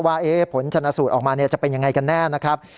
ว่าผลชนะสูตรออกมาจะเป็นยังไงกันแน่นะครับ